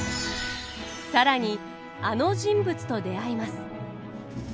更にあの人物と出会います。